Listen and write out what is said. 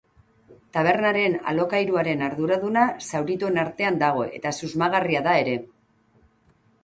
Tabernaren alokairuaren arduraduna zaurituen artean dago eta susmagarria da ere.